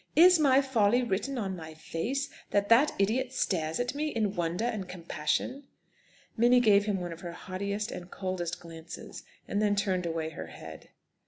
"Is my folly written on my face, that that idiot stares at me in wonder and compassion?" Minnie gave him one of her haughtiest and coldest glances, and then turned away her head.